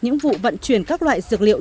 những vụ vận chuyển các loại dược liệu